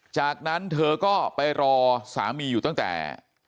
จากนั้นเธอก็ไปรอสามีอยู่ตั้งแต่